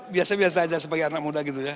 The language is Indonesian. biasa biasa aja sebagai anak muda gitu ya